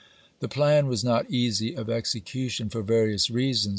The plan was not easy of execution for various reasons.